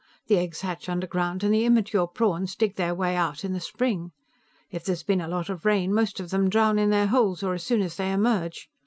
The eggs hatch underground and the immature prawns dig their way out in the spring. If there's been a lot of rain, most of them drown in their holes or as soon as they emerge.